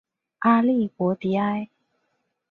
阿利博迪埃。